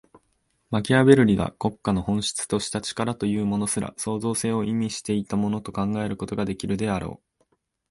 マキアヴェルリが国家の本質とした「力」というものすら、創造性を意味していたものと考えることができるであろう。